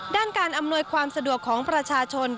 ด้านการอำนวยความสะดวกของประชาชน